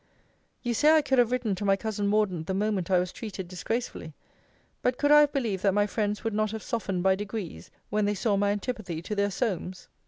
You say I should have written to my cousin Morden the moment I was treated disgracefully: But could I have believed that my friends would not have softened by degrees when they saw my antipathy to their Solmes?